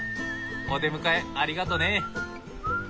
お出迎えありがとね。